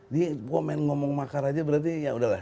dia mau main ngomong makar aja berarti ya udahlah